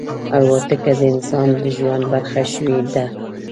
الوتکه د انسان د ژوند برخه شوې ده.